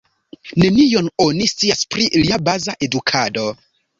Nenion oni scias pri lia baza edukado.